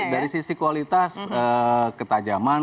dari sisi kualitas ketajaman